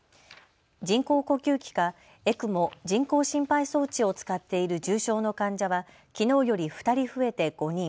人工呼吸器かＥＣＭＯ・人工心肺装置を使っている重症の患者はきのうより２人増えて５人。